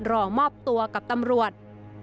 รอมอบตัวกับตำรวจ